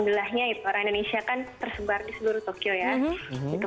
sebelahnya orang indonesia kan tersebar di seluruh tokyo ya